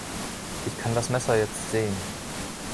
Ich kann das Messer jetzt sehen.